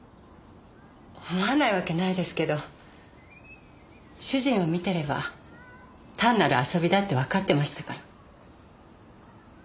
思わないわけないですけど主人を見てれば単なる遊びだってわかってましたから。